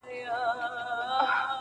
o له دې زړو نه ښې ډبري د صحرا وي,